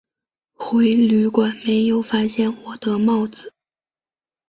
回旅馆没有发现我的帽子